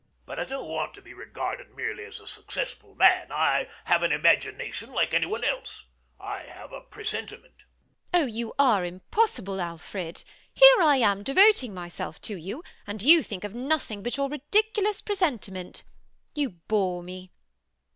MANGAN. But I don't want to be regarded merely as a successful man. I have an imagination like anyone else. I have a presentiment. MRS HUSHABYE. Oh, you are impossible, Alfred. Here I am devoting myself to you; and you think of nothing but your ridiculous presentiment. You bore me.